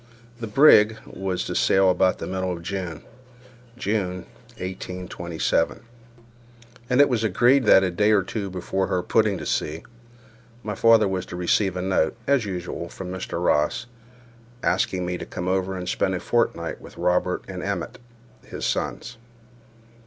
The brig was to sail about the middle of June (June, 1827), and it was agreed that, a day or two before her putting to sea, my father was to receive a note, as usual, from Mr. Ross, asking me to come over and spend a fortnight with Robert and Emmet (his sons).